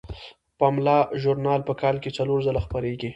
پملا ژورنال په کال کې څلور ځله خپریږي.